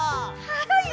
はい。